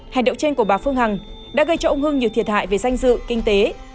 hành động trên của bà phương hằng đã gây cho ông hưng nhiều thiệt hại về danh dự kinh tế